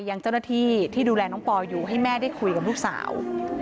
ยังเจ้าหน้าที่ที่ดูแลน้องปออยู่ให้แม่ได้คุยกับลูกสาว